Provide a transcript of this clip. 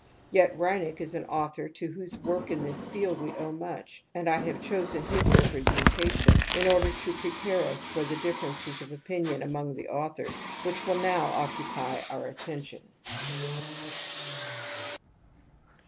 Yet Reinach is an author to whose work in this field we owe much and I have chosen his presentation in order to prepare us for the differences of opinion among the authors, which will now occupy our attention.